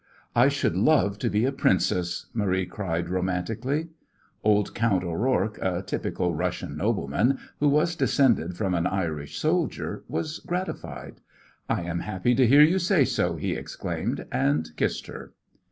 "I should love to be a princess," Marie cried romantically. Old Count O'Rourke, a typical Russian nobleman, who was descended from an Irish soldier, was gratified. "I am happy to hear you say so," he exclaimed, and kissed her.